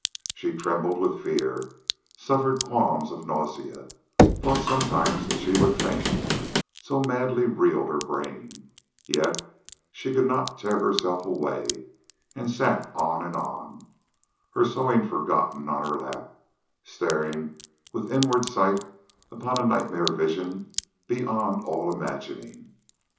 She trembled with fear, suffered qualms of nausea, thought sometimes that she would faint, so madly reeled her brain; yet she could not tear herself away, and sat on and on, her sewing forgotten on her lap, staring with inward sight upon a nightmare vision beyond all imagining.